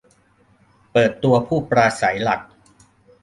เปิดตัวผู้ปราศรัยหลัก !